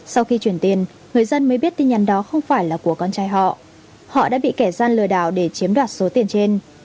sau khi chuyển tiền người dân mới biết tin nhắn đó không phải là của con trai họ họ đã bị kẻ gian lừa đảo để chiếm đoạt số tiền trên